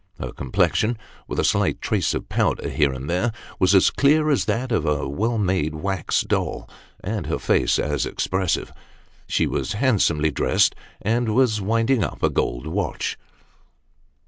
Her complexion with a slight trace of powder here and there was as clear as that of a well made wax doll, and her face as expressive. She was handsomely dressed, and was winding up a gold watch.